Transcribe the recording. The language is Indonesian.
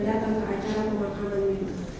datang ke acara pemakaman mirna